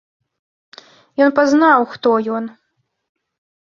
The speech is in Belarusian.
Ён пазнаў, хто ён.